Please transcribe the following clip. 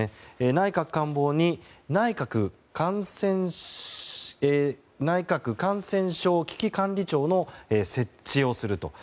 内閣官房に内閣感染症危機管理庁の設置をすると。